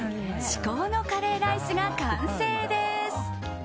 至高のカレーライスが完成です。